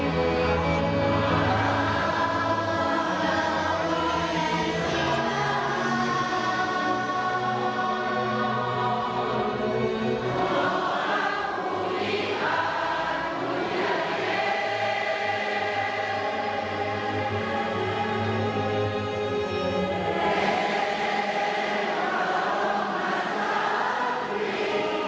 น้ำตาก็ไหลรินไปตามเพลง